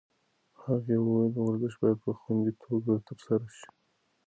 هغې وویل ورزش باید په خوندي توګه ترسره شي.